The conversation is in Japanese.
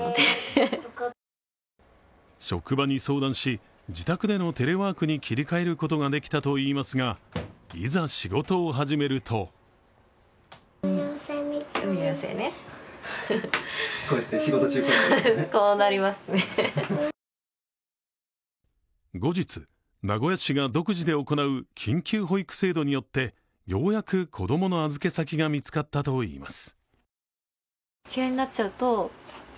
職場に相談し、自宅でのテレワークに切り替えることができたといいますが、いざ仕事を始めると後日、名古屋市が独自で行う緊急保育制度によってようやく子供の預け先が見つかったといいます。